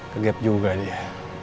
kegap juga dia